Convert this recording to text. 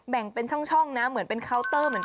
แบ่งเป็นช่องน้าเหมือนเป็นคาวเตอร์